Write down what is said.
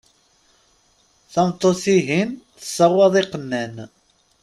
Tameṭṭut-ihin tessawaḍ iqannan.